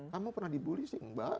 kamu pernah dibully sih mbak